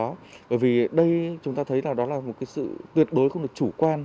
bởi vì đây chúng ta thấy là đó là một cái sự tuyệt đối không được chủ quan